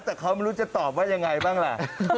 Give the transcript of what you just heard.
แต่เขาไม่รู้จะตอบว่ายังไงบ้างล่ะ